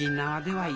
はい。